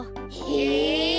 へえ。